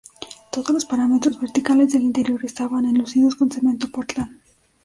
Todos los paramentos verticales del interior estaban enlucidos con cemento Pórtland.